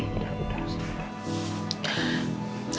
sudah sudah sudah